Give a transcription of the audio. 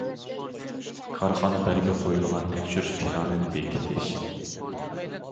كارخانا بەلگە قويۇلغان تەكشۈرۈش پىلانىنى بېكىتىش.